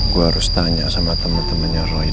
gue harus tanya sama temen temennya roy di unicorn band